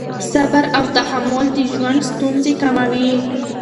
صبر او تحمل د ژوند ستونزې کموي.